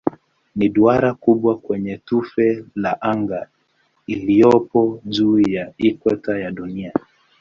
Ni duara kubwa kwenye tufe la anga iliyopo juu ya ikweta ya Dunia.